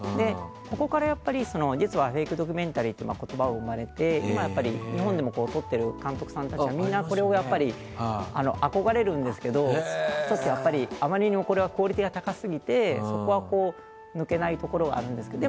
ここから実はフェイクドキュメンタリーという言葉が生まれて日本でも撮っている監督さんたちは、みんなこれに憧れるんですけどあまりにもこれのクオリティーが高すぎてそこは抜けないところがあるんですけど。